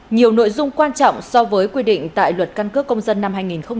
nhiều nội dung quan trọng so với quy định tại luật căn cước công dân năm hai nghìn một mươi ba